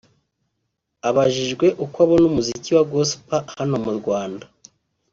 Abajijwe uko abona umuziki wa Gospel hano mu Rwanda